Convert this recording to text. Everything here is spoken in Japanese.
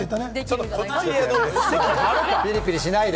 ピリピリしないで！